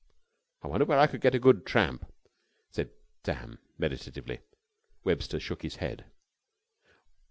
"I wonder where I could get a good tramp," said Sam, meditatively. Webster shook his head.